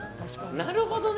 なるほどね。